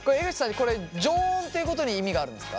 これ常温っていうことに意味があるんですか？